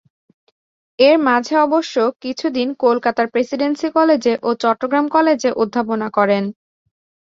এর মাঝে অবশ্য কিছুদিন কলকাতার প্রেসিডেন্সি কলেজে ও চট্টগ্রাম কলেজে অধ্যাপনা করেন।